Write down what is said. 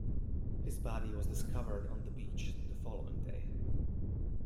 His body was discovered on the beach the following day.